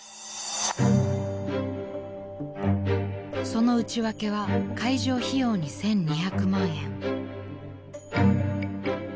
［その内訳は会場費用に１，２００万円］